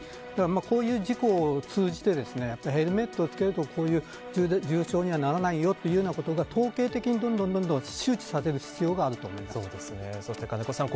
こういう事故を通じてヘルメットを着けるとこういう重症にはならないよというのが統計的にどんどん周知させる必要があると思います。